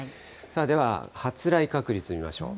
では発雷確率見ましょう。